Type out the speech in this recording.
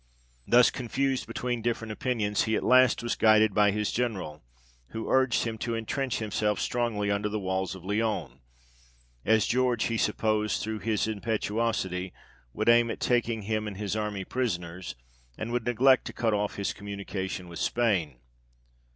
Thus confused between different opinions, he at last was guided by his General, who urged him to entrench himself strongly under the walls of Lyons ; as George he supposed through his impetuosity, would aim at taking him and 1 Dijon, Macon, and Bourg. GEORGE MARCHES AGAINST SPANIARDS. 75 his army prisoners ; and would neglect to cut off his communication with Spain.